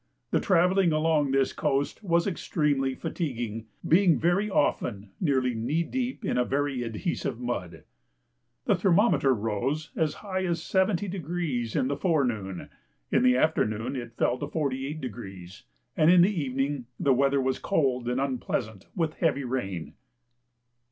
The travelling along this coast was extremely fatiguing, being very often nearly knee deep in a very adhesive mud. The thermometer rose as high as 70° in the forenoon; in the afternoon it fell to 48°; and in the evening the weather was cold and unpleasant, with heavy rain.